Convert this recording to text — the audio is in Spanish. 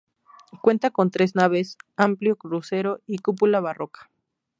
Cuenta con tres naves, amplio crucero y cúpula barroca.